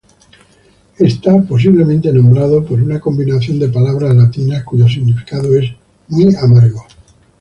Está posiblemente nombrado por una combinación de palabras latinas cuyo significado es "muy amargo".